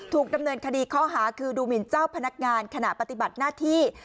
ถูกดำเนินคดีข้อหาคือดูหมินเจ้าพนักงานขณะปฏิบัติหน้าที่